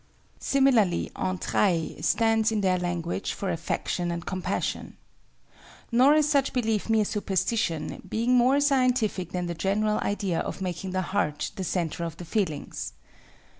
Similarly entrailles stands in their language for affection and compassion. Nor is such belief mere superstition, being more scientific than the general idea of making the heart the centre of the feelings.